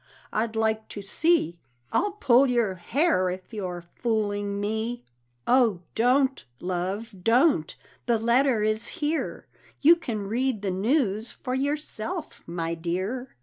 I'd like to see; I'll pull your hair if you're fooling me." "Oh, don't, love, don't! the letter is here You can read the news for yourself, my dear.